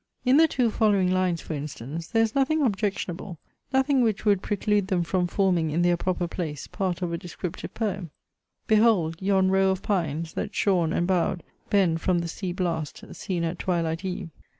In the two following lines for instance, there is nothing objectionable, nothing which would preclude them from forming, in their proper place, part of a descriptive poem: Behold yon row of pines, that shorn and bow'd Bend from the sea blast, seen at twilight eve.